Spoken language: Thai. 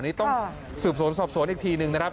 นี่ต้องสืบสวนสอบสวนอีกทีหนึ่งนะครับ